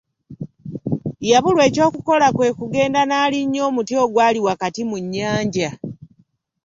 Yabulwa oky’okukola kwe kugenda n'alinnya omuti ogwali wakati mu nnyanja.